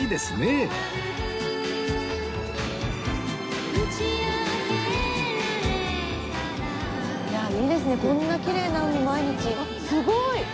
すごい！